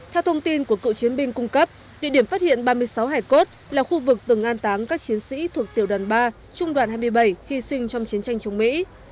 theo thông tin của cựu chiến binh cung cấp địa điểm phát hiện ba mươi sáu hải cốt là khu vực từng an táng các chiến sĩ thuộc tiểu đoàn ba trung đoàn hai mươi bảy hy sinh trong chiến tranh chống mỹ